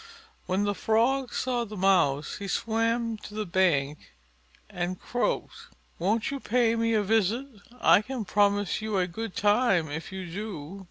When the Frog saw the Mouse, he swam to the bank and croaked: "Won't you pay me a visit? I can promise you a good time if you do."